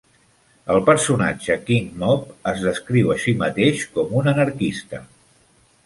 El personatge "King Mob" es descriu a si mateix com un anarquista.